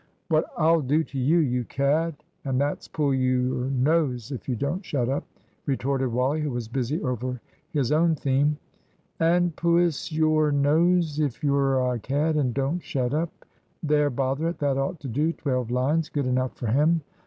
"What I'll do to you, you cad, and that's pull your nose if you don't shut up!" retorted Wally, who was busy over his own theme. "` and puis yore knows if yore a cad, and don't shut up.' There, bother it, that ought to do twelve lines. Good enough for him."